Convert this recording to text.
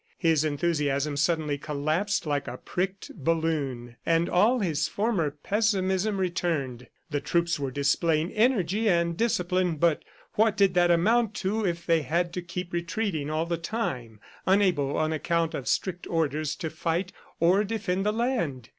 His enthusiasm suddenly collapsed like a pricked balloon, and all his former pessimism returned. The troops were displaying energy and discipline; but what did that amount to if they had to keep retreating all the time, unable on account of strict orders to fight or defend the land?